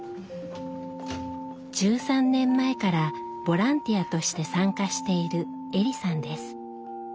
１３年前からボランティアとして参加しているエリさんです。